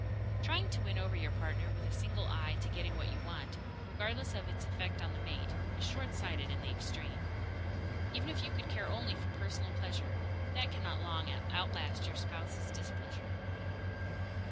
Trying to win over your partner with a single eye to getting what you want, regardless of its effect on the mate, is short sighted in the extreme. Even if you could care only for personal pleasure, that cannot long outlast your spouse's displeasure.